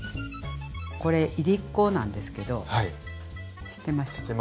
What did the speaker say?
これいりこなんですけど知ってましたか？